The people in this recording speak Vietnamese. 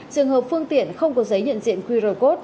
trường hợp phương tiện không có giấy nhận diện qr code